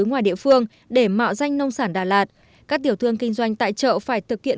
ngoài địa phương để mạo danh nông sản đà lạt các tiểu thương kinh doanh tại chợ phải thực hiện